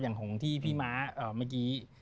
ของที่พี่ม้าเมื่อกี้